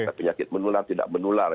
tapi nyakit menular tidak menular